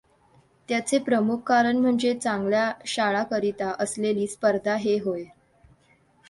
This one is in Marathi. त्याचे प्रमुख कारण म्हणजे चांगल्या शाळाकरिता असेलली स्पर्धा हे होय.